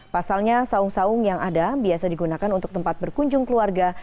pasalnya saung saung yang ada biasa digunakan untuk tempat berkunjung keluarga